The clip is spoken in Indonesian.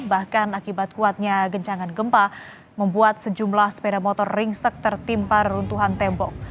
bahkan akibat kuatnya gencangan gempa membuat sejumlah sepeda motor ringsek tertimpa runtuhan tembok